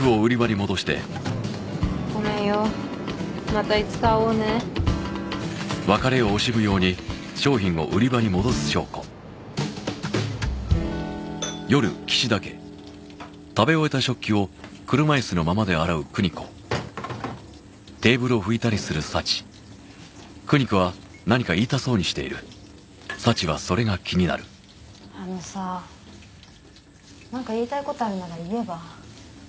ごめんよまたいつか会おうねあのさなんか言いたいことあるなら言えば？